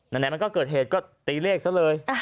ไหนมันก็เกิดเหตุก็ตีเลขซะเลย